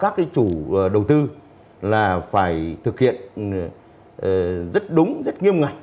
là cho các chủ đầu tư là phải thực hiện rất đúng rất nghiêm ngặt